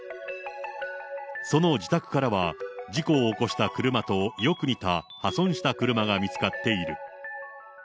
その自宅からは、事故を起こした車とよく似た破損した車が見つかっている。